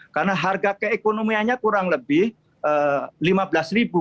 karena harga keekonomianya kurang lebih rp lima belas